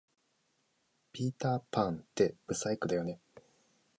ピーターパンって不細工だよね